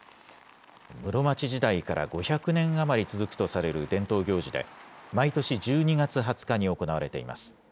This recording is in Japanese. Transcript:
室町時代から５００年余り続くとされる伝統行事で、毎年１２月２０日に行われています。